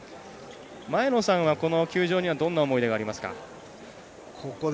前野さんは、この球場にはどんな思い出がありますか？